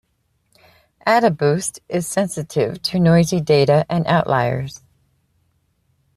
AdaBoost is sensitive to noisy data and outliers.